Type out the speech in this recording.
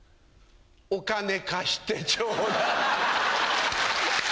お金貸してちょうだい。